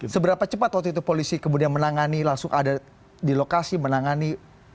seberapa cepat waktu itu polisi kemudian menangani langsung ada di lokasi menangani